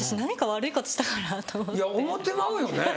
思ってまうよね。